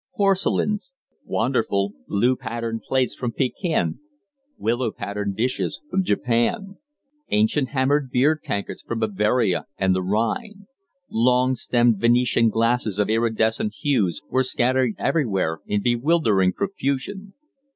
Porcelains; wonderful blue patterned plates from Pekin; willow patterned dishes from Japan; ancient hammered beer tankards from Bavaria and the Rhine; long stemmed Venetian glasses of iridescent hues, were scattered everywhere in bewildering profusion.